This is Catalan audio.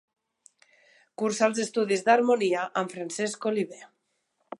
Cursà els estudis d'harmonia amb Francesc Oliver.